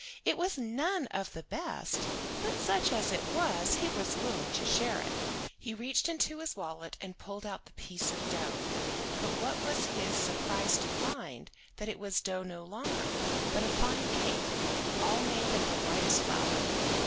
It was none of the best, but such as it was he was willing to share it. He reached into his wallet and pulled out the piece of dough, but what was his surprise to find that it was dough no longer, but a fine cake, all made of the whitest flour.